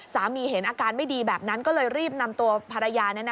เห็นอาการไม่ดีแบบนั้นก็เลยรีบนำตัวภรรยา